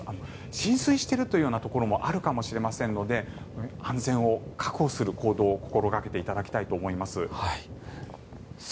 浸水しているようなところもあるかもしれませんので安全を確保する行動を心がけていただきたいと思います。